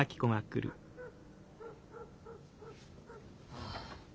はあ。